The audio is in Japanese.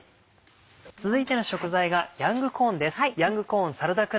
続いての食材がヤングコーンです。